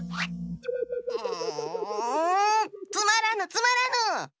うんつまらぬつまらぬ！